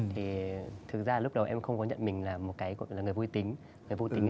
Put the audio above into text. thì thực ra lúc đầu em không có nhận mình là một người vô tính